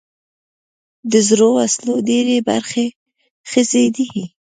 د زړو وسلو ډېری برخې ښخي دي.